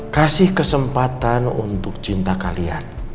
kasih kesempatan untuk cinta kalian